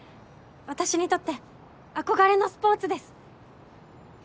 私にとって憧れのスポーツです。